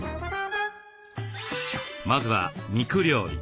まずは肉料理。